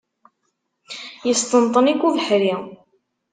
Yesṭenṭen-ik ubeḥri.